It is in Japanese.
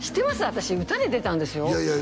私歌で出たんですよ